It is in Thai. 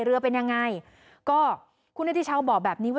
เรือเป็นยังไงก็คุณนาฬิชาวบอกแบบนี้ว่า